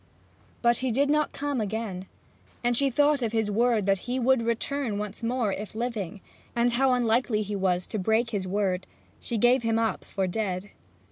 But he did not come again, and when she thought of his word that he would return once more, if living, and how unlikely he was to break his word, she gave him up for dead.